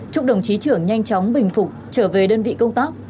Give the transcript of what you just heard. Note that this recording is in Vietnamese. chúc đồng chí trưởng nhanh chóng bình phục trở về đơn vị công tác